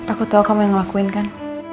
aku tahu kamu yang ngelakuin kan